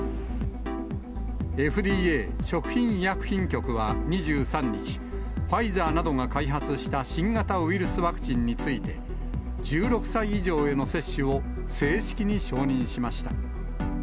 ＦＤＡ・食品医薬品局は２３日、ファイザーなどが開発した新型ウイルスワクチンについて、１６歳以上への接種を正式に承認しました。